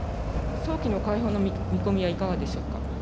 早期の解放の見込みはいかがでしょうか。